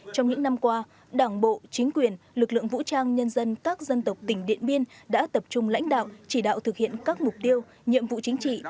trong những năm qua đảng bộ chính quyền lực lượng vũ trang nhân dân các dân tộc tỉnh điện biên đã tập trung lãnh đạo chỉ đạo thực hiện các mục tiêu nhiệm vụ chính trị